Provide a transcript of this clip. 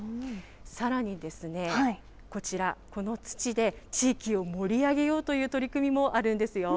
さらにですね、こちら、この土で地域を盛り上げようという取り組みもあるんですよ。